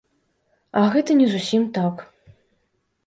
А гэта не зусім так.